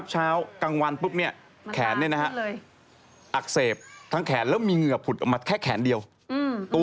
เหงือไหน